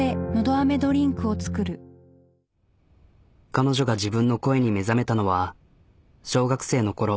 彼女が自分の声に目覚めたのは小学生のころ。